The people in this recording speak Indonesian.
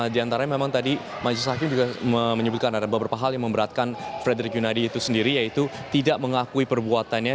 di antaranya memang tadi majelis hakim juga menyebutkan ada beberapa hal yang memberatkan frederick yunadi itu sendiri yaitu tidak mengakui perbuatannya